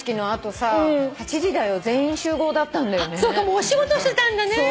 もうお仕事してたんだね。